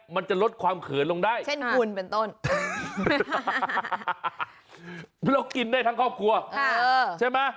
มันจะลดความเขินลงได้เช่นคุณเป็นต้นเรากินได้ทั้งครอบครัวใช่ไหม